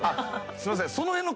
すいません。